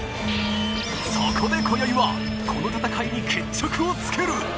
そこで今宵はこの戦いに決着をつける！